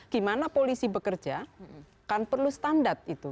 gimana polisi bekerja kan perlu standar itu